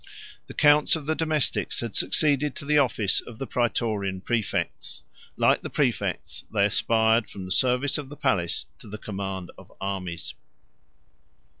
159 The counts of the domestics had succeeded to the office of the Prætorian præfects; like the præfects, they aspired from the service of the palace to the command of armies.